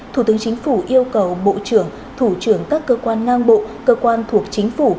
thủ tướng chính phủ yêu cầu bộ trưởng thủ trưởng các cơ quan ngang bộ cơ quan thuộc chính phủ